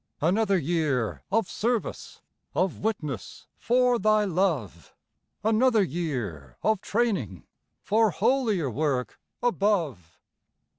Another year of service, Of witness for Thy love; Another year of training For holier work above.